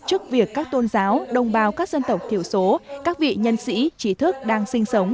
trước việc các tôn giáo đồng bào các dân tộc thiểu số các vị nhân sĩ trí thức đang sinh sống